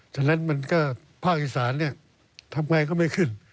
ฉะนั้นมันก็ภาคอีสานเนี่ยทำไงก็ไม่ขึ้น